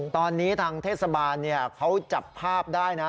ตอนนี้ทางเทศบาลเขาจับภาพได้นะ